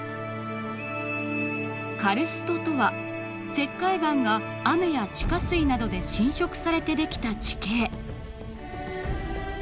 カルストとは石灰岩が雨や地下水などで浸食されて出来た地形。